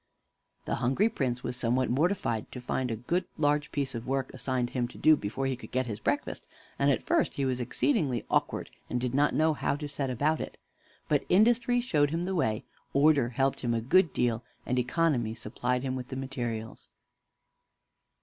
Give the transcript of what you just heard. The hungry Prince was somewhat mortified to find a good, large piece of work assigned him to do before he could get his breakfast, and at first he was exceedingly awkward, and did not know how to set about it; but Industry showed him the way, Order helped him a good deal, and Economy supplied him with the materials.